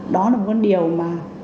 đó là một con điều mà